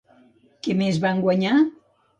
Què més van guanyar?